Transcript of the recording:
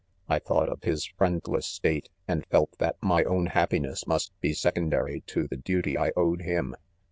I thought of , his friendless, state, and felt that my own happiness must be secondary to the duty I owed him.